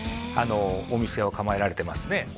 あのお店を構えられてますね